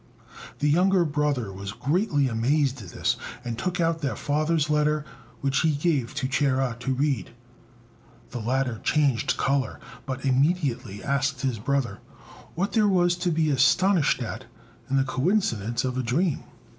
The younger brother was greatly amazed at this, and took out their father's letter, which he gave to Chia to read. The latter changed colour, but immediately asked his brother what there was to be astonished at in the coincidence of a dream.